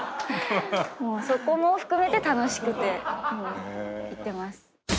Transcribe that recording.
そこも含めて楽しくて行ってます。